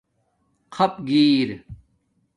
خَپ گِیر